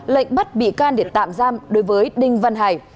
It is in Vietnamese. lệnh bắt bị can để tạm giam đối với đinh văn hải